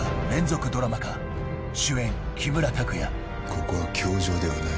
「ここは教場ではない」